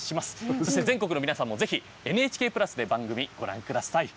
そして全国の皆さんもぜひ、ＮＨＫプラスで番組ご覧ください。